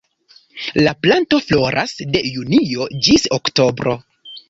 La planto floras de junio ĝis oktobro.